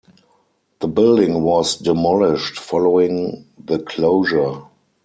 The building was demolished following the closure.